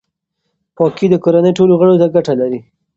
پاکي د کورنۍ ټولو غړو ته ګټه لري.